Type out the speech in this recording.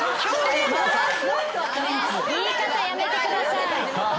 言い方やめてください。